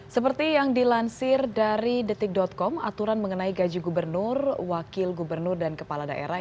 seperti yang dilansir dari detik com aturan mengenai gaji gubernur wakil gubernur dan kepala daerah